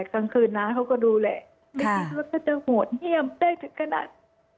กลางคืนน้าเขาก็ดูแลไม่คิดว่าเขาจะโหดเยี่ยมได้ถึงขนาด